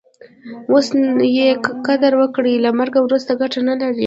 اوس ئې قدر وکړئ! له مرګ وروسته ګټه نه لري.